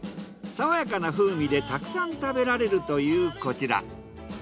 さわやかな風味でたくさん食べられるというこちら。